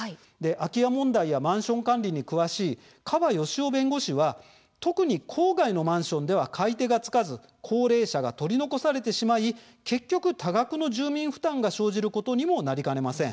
空き家問題やマンション管理に詳しい川義郎弁護士は「特に郊外のマンションでは買い手がつかず高齢者が取り残されてしまい結局、多額の住民負担が生じることにもなりかねません。